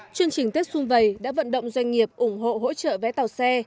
chương trình tết xuân vầy đã vận động doanh nghiệp ủng hộ hỗ trợ vé tàu xe